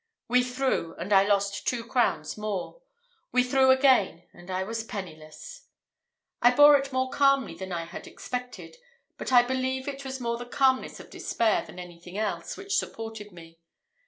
We threw, and I lost two crowns more. We threw again, and I was penniless. I bore it more calmly than I had expected; but I believe it was more the calmness of despair, than anything else, which supported me.